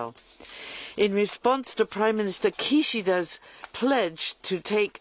そうですね。